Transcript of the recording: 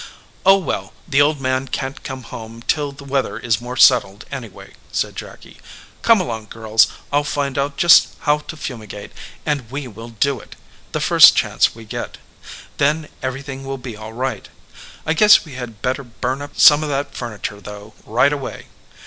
"Oh, well, the old man can t come home till the weather is more settled, anyway," said Jacky. "Come along, girls. I ll find out just how to fumi gate, and we will do it the first chance we get. Then everything will be all right. I guess we had better burn up some of that furniture, though, right away!"